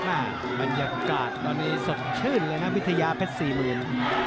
บรรยากาศตอนนี้สดชื่นเลยนะวิทยาเพชรสี่หมื่น